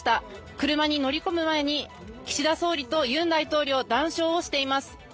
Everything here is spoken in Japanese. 車に乗り込む前に岸田総理とユン大統領、談笑をしています。